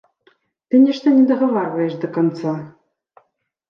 Ты нешта не дагаварваеш да канца?